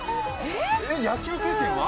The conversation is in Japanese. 野球経験は？